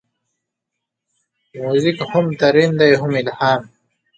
موزیک هم تمرین دی، هم الهام.